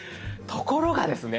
ところがですね